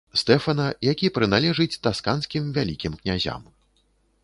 Стэфана, які прыналежыць тасканскім вялікім князям.